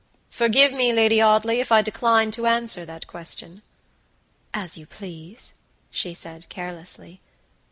"Forgive me, Lady Audley, if I decline to answer that question." "As you please," she said, carelessly.